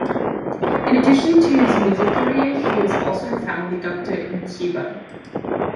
In addition to his music career, he is also a family doctor in Cuba.